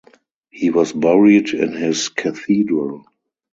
He was buried in his cathedral.